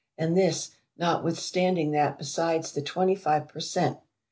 and this, notwithstanding that besides the 25 per cent.